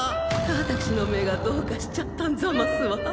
ワタクシの目がどうかしちゃったんざますわ。